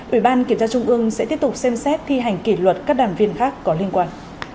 ủy ban kiểm tra trung ương sẽ tiếp tục xem xét thi hành kỷ luật các đảng viên khác có liên quan